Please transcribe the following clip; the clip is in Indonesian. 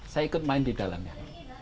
saya ikut main di dalamnya